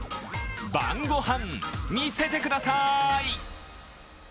晩ご飯、見せてくださーい。